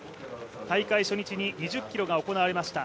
大会初日に２０ｋｍが行われました